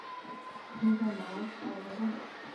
裂瓣翠雀为毛茛科翠雀属下的一个变种。